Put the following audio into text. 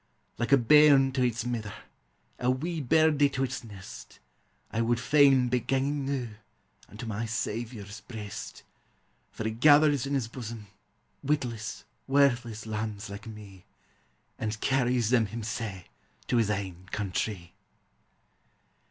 Like a bairn to its mither, a wee birdie to its nest, I wad fain be ganging noo, imto my Saviour's breast ; For he gathers in his bosom, witless, worthless lambs like me, And carries them hinisel' to his ain countree.